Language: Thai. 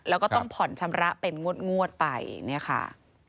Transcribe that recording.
แล้วก็ต้องผ่อนชำระเป็นงวดไปเนี่ยค่ะ